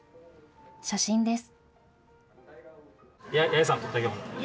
写真です。